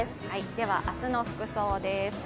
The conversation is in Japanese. では明日の服装です。